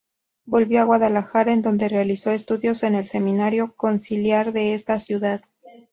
Volvió a Guadalajara en donde realizó estudios en el Seminario Conciliar de esa ciudad.